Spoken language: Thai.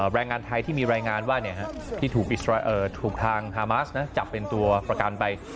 แรงงานไทยที่มีรายงานว่าที่ถูกทางฮามาสจับเป็นตัวประกันไป